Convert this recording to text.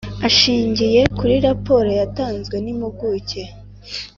Ashingiye kuri raporo yatanzwe n impuguke